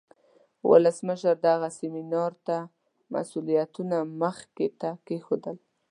ولسمشر دغه سیمینار ته مسئولیتونه مخې ته کیښودل.